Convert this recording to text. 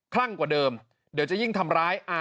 ลั่งกว่าเดิมเดี๋ยวจะยิ่งทำร้าย